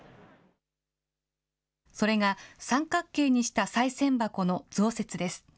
それが三角形にしたさい銭箱の増設です。